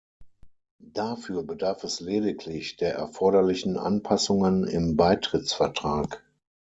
Dafür bedarf es lediglich der erforderlichen Anpassungen im Beitrittsvertrag.